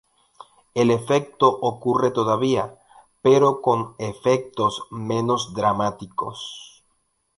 El efecto ocurre todavía, pero con efectos menos dramáticos.